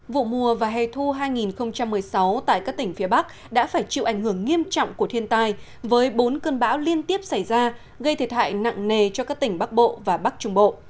vụ mùa và hè thu hai nghìn một mươi sáu tại các tỉnh phía bắc đã phải chịu ảnh hưởng nghiêm trọng của thiên tai với bốn cơn bão liên tiếp xảy ra gây thiệt hại nặng nề cho các tỉnh bắc bộ và bắc trung bộ